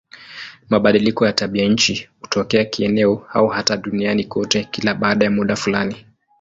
Mabadiliko ya tabianchi hutokea kieneo au hata duniani kote kila baada ya muda fulani.